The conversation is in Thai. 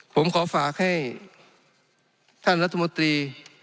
ผมขอฝากให้ท่านรัฐมนตรี